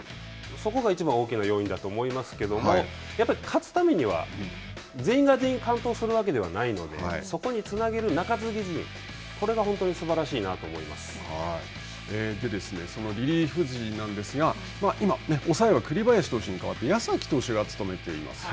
そこがいちばん大きな要因だと思いますけれども、やっぱり勝つためには全員が全員、完投するわけではないので、そこにつなげる中継ぎ陣、これが本当そのリリーフ陣なんですが、今、抑えは栗林投手に代わって矢崎投手が務めています。